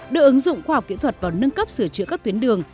đưa ứng dụng khoa học kỹ thuật vào nâng cấp sửa chữa các tuyến đường